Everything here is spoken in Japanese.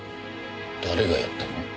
誰がやったの？